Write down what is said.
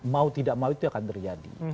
mau tidak mau itu akan terjadi